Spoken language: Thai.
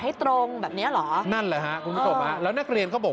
ให้ตรงแบบนี้เหรอนั่นแหละคุณโฟปแล้วนักเรียนเขาบอก